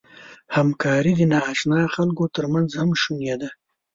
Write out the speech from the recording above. همکاري د ناآشنا خلکو تر منځ هم شونې ده.